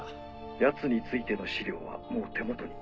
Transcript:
ヤツについての資料はもう手元に？